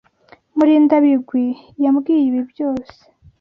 Murindabigwi yambwiye ibi byose.